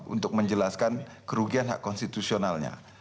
untuk menjelaskan kerugian hak konstitusionalnya